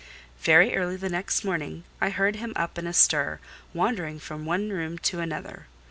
Very early the next morning I heard him up and astir, wandering from one room to another.